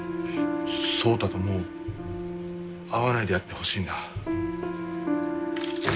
聡太ともう会わないでやってほしいんだ。